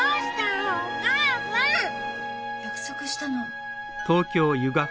約束したの。